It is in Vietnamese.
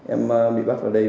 em bị bắt vào đây